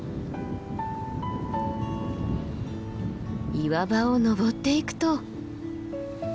岩場を登っていくと。